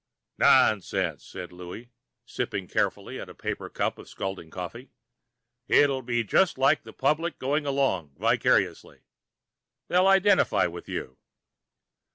"Nonsense," said Louie, sipping carefully at a paper cup of scalding coffee. "It'll be just like the public going along vicariously. They'll identify with you."